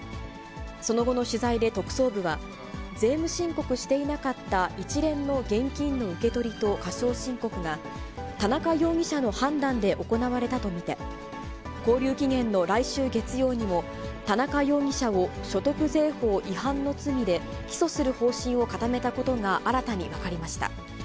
その後の取材で特捜部は、税務申告していなかった一連の現金の受け取りと過少申告が、田中容疑者の判断で行われたと見て、勾留期限の来週月曜にも、田中容疑者を所得税法違反の罪で、起訴する方針を固めたことが新たに分かりました。